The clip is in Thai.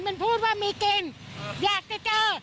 มันพูดว่ามีกินอยากจะเจอ